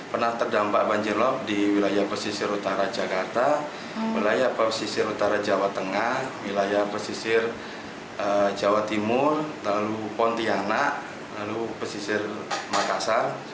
pernah terdampak banjirop di wilayah pesisir utara jakarta wilayah pesisir utara jawa tengah wilayah pesisir jawa timur lalu pontianak lalu pesisir makassar